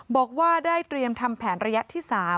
บอกว่าได้เตรียมทำแผนระยะที่๓